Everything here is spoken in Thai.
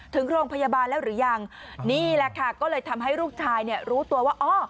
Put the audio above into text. ถึงโรงพยาบาลแล้วหรือยังนี่แหละค่ะก็เลยทำให้ลูกชายเนี่ยรู้ตัวว่าอ๋อ